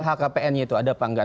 lhkpn nya itu ada apa enggak